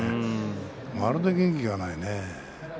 まるで元気がないね。